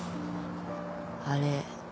「あれ？